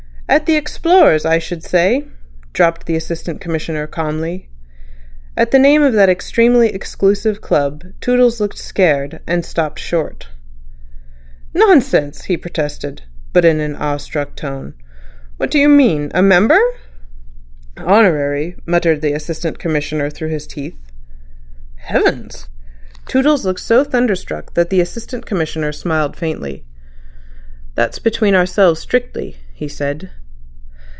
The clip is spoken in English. "At the Explorers, I should say," dropped the Assistant Commissioner calmly. At the name of that extremely exclusive club Toodles looked scared, and stopped short. "Nonsense," he protested, but in an awe struck tone. "What do you mean? A member?" "Honorary," muttered the Assistant Commissioner through his teeth. "Heavens!" Toodles looked so thunderstruck that the Assistant Commissioner smiled faintly. "That's between ourselves strictly," he said.